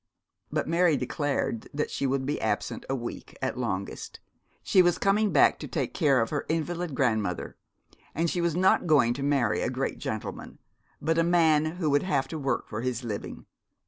But Mary declared that she would be absent a week at longest. She was coming back to take care of her invalid grandmother; and she was not going to marry a great gentleman, but a man who would have to work for his living.